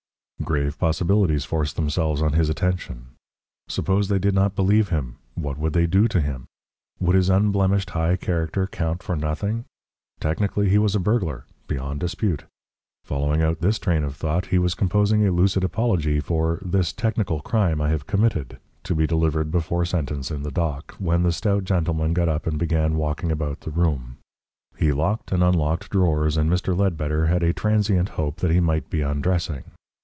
Grave possibilities forced themselves on his attention. Suppose they did not believe him, what would they do to him? Would his unblemished high character count for nothing? Technically he was a burglar, beyond dispute. Following out this train of thought, he was composing a lucid apology for "this technical crime I have committed," to be delivered before sentence in the dock, when the stout gentleman got up and began walking about the room. He locked and unlocked drawers, and Mr. Ledbetter had a transient hope that he might be undressing.